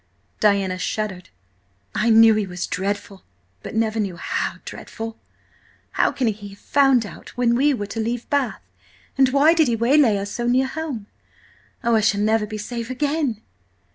Diana shuddered. "I knew he was dreadful, but never how dreadful! How can he have found out when we were to leave Bath–and why did he waylay us so near home? Oh, I shall never be safe again!"